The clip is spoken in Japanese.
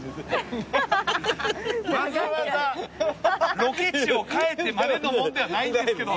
わざわざロケ地を変えてまでのものではないんですけど。